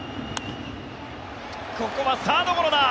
ここはサードゴロだ。